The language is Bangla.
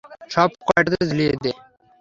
সব কয়টাতে ঝুলিয়ে দে!